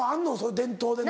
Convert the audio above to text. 伝統で喉。